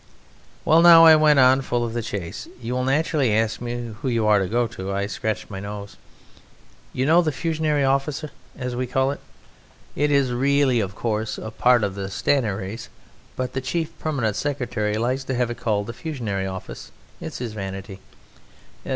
"Well now," I went on, full of the chase, "you will naturally ask me who are you to go to?" I scratched my nose. "You know the Fusionary Office, as we call it? It is really, of course, a part of the Stannaries. But the Chief Permanent Secretary likes to have it called the Fusionary Office; it's his vanity."